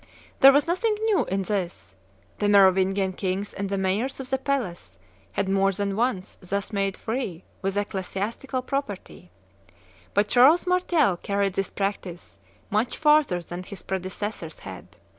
There was nothing new in this: the Merovingian kings and the mayors of the palace had more than once thus made free with ecclesiastical property; but Charles Martel carried this practice much farther than his predecessors had.